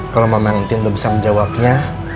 kalau mama yang tin belum bisa menjawabnya